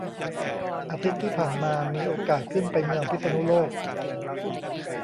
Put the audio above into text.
อาทิตย์ที่ผ่านมามีโอกาสขึ้นไปเมืองพิษณุโลก